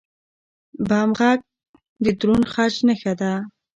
بم غږ د دروند خج نښه ده.